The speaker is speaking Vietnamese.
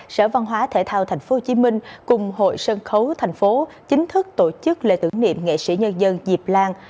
đại văn hóa thể thao tp hcm cùng hội sân khấu tp hcm chính thức tổ chức lễ tưởng niệm nghệ sĩ nhân dân diệp lan